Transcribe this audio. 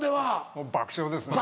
もう爆笑です。